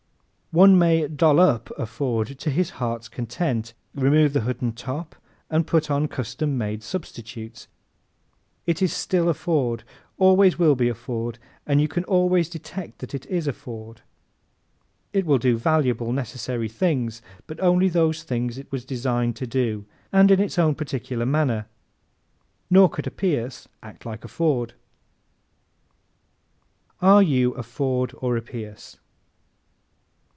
One may "doll up" a Ford to his heart's content remove the hood and top and put on custom made substitutes it is still a Ford, always will be a Ford and you can always detect that it is a Ford. It will do valuable, necessary things but only those things it was designed to do and in its own particular manner; nor could a Pierce act like a Ford. Are You a Ford or a Pierce?